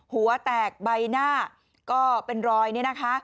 หัวแตกใบหน้าก็เป็นรอยนี่นะคะ